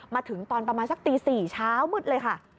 มาถึงตอนประมาณสักตี๔เช้ามืดเลยค่ะ